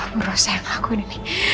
berosa yang lakuin ini